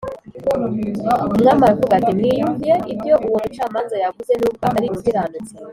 Umwami aravuga ati mwiyumviye ibyo uwo mucamanza yavuze nubwo atari umukiranutsi